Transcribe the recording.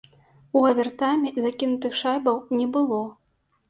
У авертайме закінутых шайбаў не было.